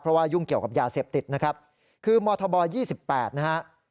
เพราะว่ายุ่งเกี่ยวกับยาเสพติดนะครับคือมธบ๒๘นะฮะ